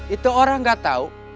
itu orang gak tau